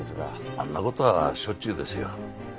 あんな事はしょっちゅうですよ。